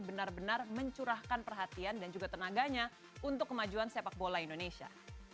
benar benar mencurahkan perhatian dan juga tenaganya untuk kemajuan sepak bola indonesia